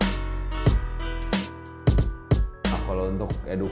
kita punya sistemnya ya dari belinya udah ketahuan jualnya ketahuan